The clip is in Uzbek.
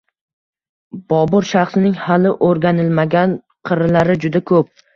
Bobur shaxsining hali oʻrganilmagan qirralari juda koʻp